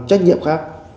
trách nhiệm khác